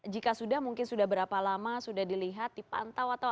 jika sudah mungkin sudah berapa lama sudah dilihat dipantau atau